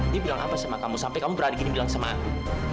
dia bilang apa sama kamu sampai kamu berani gini bilang semangat